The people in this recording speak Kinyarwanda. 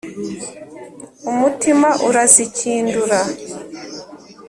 umutima urazikindura